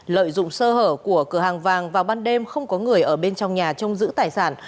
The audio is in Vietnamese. lợi dụng sơ hở của cửa hàng vàng vào ban đêm không có người ở bên trong nhà trông giữ tài sản